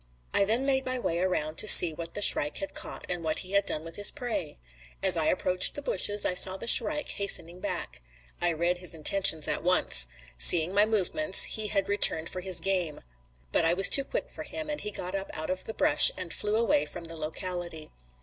I then made my way around to see what the shrike had caught, and what he had done with his prey. As I approached the bushes I saw the shrike hastening back. I read his intentions at once. Seeing my movements, he had returned for his game. But I was too quick for him, and he got up out of the brush and flew away from the locality.